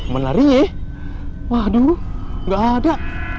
menari waduh nggak ada